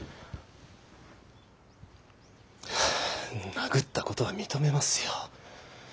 殴ったことは認めますよ。